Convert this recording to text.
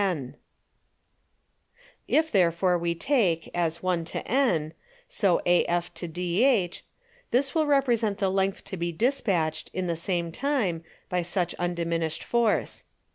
19. If therefore we take, as 1 to n, so AF to DH; this will represent the Length to be dispatched, in the same time, by such undiminished Force.